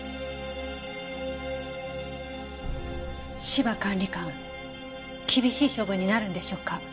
芝管理官厳しい処分になるんでしょうか？